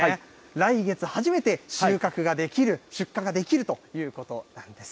来月、初めて収穫ができる、出荷ができるということなんです。